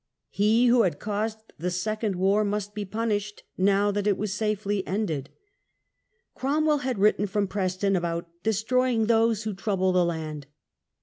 He who had caused the second war must be punished now that it was safely ended. Cromwell DEATH OF CHARLES I. 59 had written from Preston about "destroying those who trouble the land".